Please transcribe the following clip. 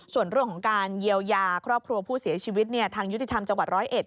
ส่วนเรื่องของการเยียวยาครอบครัวผู้เสียชีวิตเนี่ยทางยุติธรรมจังหวัดร้อยเอ็ด